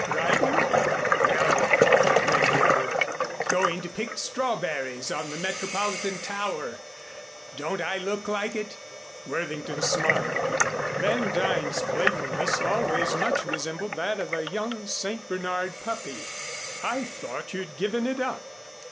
Riding?" "No," grinned the other, "going to pick strawberries on the Metropolitan Tower. Don't I look like it?" Worthington smiled. Van Duyn's playfulness always much resembled that of a young St. Bernard puppy. "I thought you'd given it up.